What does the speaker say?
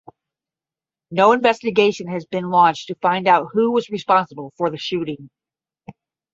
No investigation has been launched to find out who was responsible for the shooting.